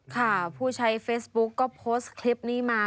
ค่ะผู้ใช้เฟซบุ๊กก็โพสต์คลิปนี้มา